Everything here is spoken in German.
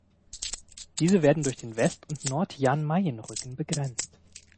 Diese werden durch den West- und Nord-Jan-Mayen-Rücken begrenzt.